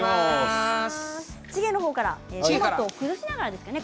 チゲの方からトマトを崩しながらですかね。